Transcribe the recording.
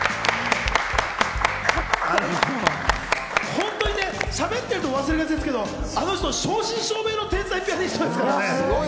本当にね、しゃべってると忘れがちですけど、あの人、正真正銘の天才ピアニストですから。